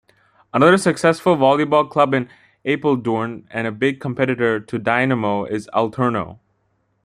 Another successful volleyball club in Apeldoorn, and a big competitor to Dynamo, is Alterno.